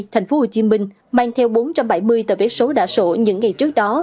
thành phố hồ chí minh mang theo bốn trăm bảy mươi tờ vé số đã sổ những ngày trước đó